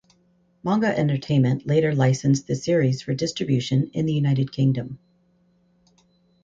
Manga Entertainment later licensed the series for distribution in the United Kingdom.